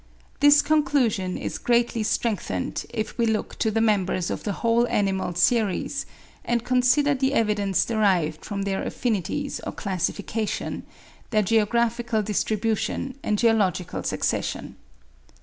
This conclusion is greatly strengthened, if we look to the members of the whole animal series, and consider the evidence derived from their affinities or classification, their geographical distribution and geological succession.